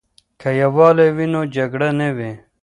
که یووالی وي نو جګړه نه وي.